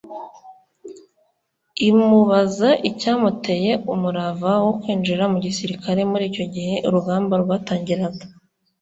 imubaza icyamuteye umurava wo kwinjira mu gisirikari muri icyo gihe urugamba rwatangiraga